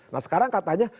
nah sekarang katanya